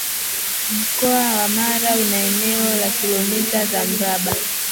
Mkoa wa Mara una eneo la Kilomita za mraba